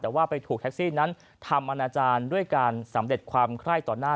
แต่ว่าไปถูกแท็กซี่นั้นทำอนาจารย์ด้วยการสำเร็จความไคร้ต่อหน้า